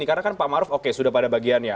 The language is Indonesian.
karena pak maruf sudah pada bagiannya